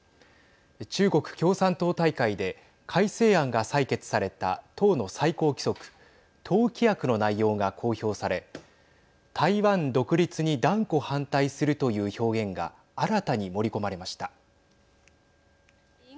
中国共産党大会で改正案が採決された党の最高規則党規約の内容が公表され台湾独立に断固反対するという表現が新たに盛り込まれました。